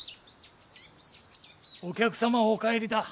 お客様お帰りだ。